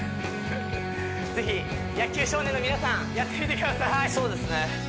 ぜひ野球少年の皆さんやってみてください